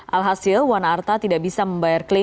alhasil wana arta tidak bisa membayar klaim